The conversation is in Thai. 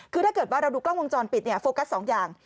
คือถ้าเราดูกล้องหพฟอยฟปิดโฟกัส๒อย่าง